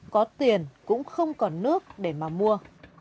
có tiền cũng không còn nước để mà mua